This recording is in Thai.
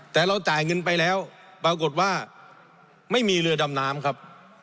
แต่เราจ่ายเงินไปแล้วปรากฏว่าไม่มีเรือดำน้ำครับ